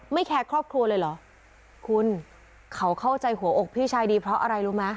แคร์ครอบครัวเลยเหรอคุณเขาเข้าใจหัวอกพี่ชายดีเพราะอะไรรู้ไหม